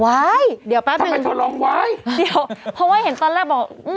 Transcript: เดี๋ยวแป๊บทำไมเธอลองไหว้เดี๋ยวเพราะว่าเห็นตอนแรกบอกอืม